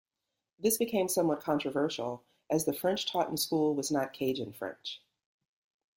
This became somewhat controversial as the French taught in school was not Cajun French.